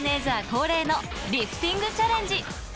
恒例のリフティングチャレンジ。